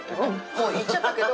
もう行っちゃったけど。